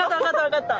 分かった。